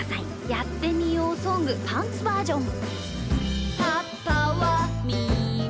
「やってみようソングパンツバージョン」。